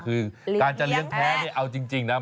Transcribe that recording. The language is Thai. การจะเลี้ยงแพ้เอาจริงนะ